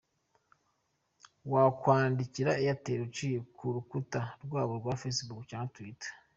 Wakwandikira Airtel uciye ku rukuta rwabo ra facebook cyangwa twitter.